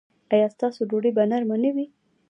ایا ستاسو ډوډۍ به نرمه نه وي؟